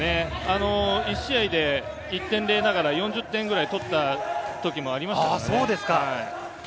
１試合で１．０ながら、４０点くらい取った時もありましたからね。